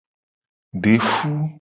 De fu.